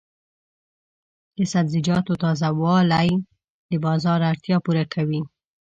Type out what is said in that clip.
د سبزیجاتو تازه والي د بازار اړتیا پوره کوي.